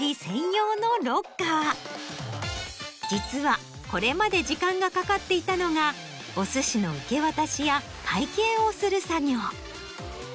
実はこれまで時間がかかっていたのがお寿司の受け渡しや会計をする作業。